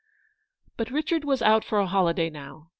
117 But Richard was out for a holiday now.